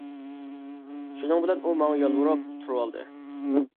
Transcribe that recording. شۇنىڭ بىلەن ئۇ ماڭا يالۋۇرۇپ تۇرۇۋالدى.